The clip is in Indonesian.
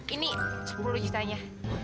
ini sepuluh jutanya